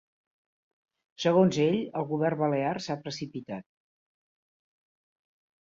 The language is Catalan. Segons ell, el govern balear s’ha precipitat.